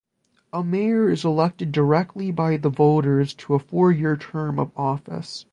A Mayor is elected directly by the voters to a four-year term of office.